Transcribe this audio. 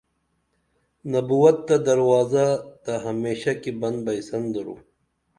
نبوت تہ دروازہ تہ ہمیشہ کی بن بئیسن درو